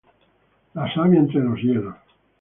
La savia entre los hielos.